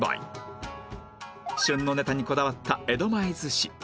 旬のネタにこだわった江戸前寿司